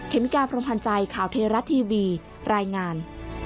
เมกาพรมพันธ์ใจข่าวเทราะทีวีรายงาน